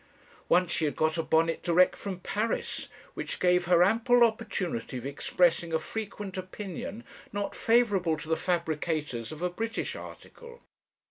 Once she had got a bonnet direct from Paris, which gave her ample opportunity of expressing a frequent opinion not favourable to the fabricators of a British article.